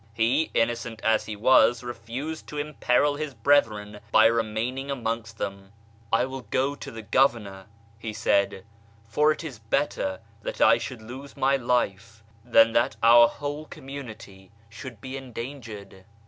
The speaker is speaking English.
He, i innocent as he was, refused to imperil his brethren by remain ing amongst them. " I will go before the governor," he said, 1" for it is better that I should lose my life than that our whole Icommunity should be endangered."